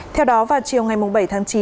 theo đó vào chiều ngày bảy tháng chín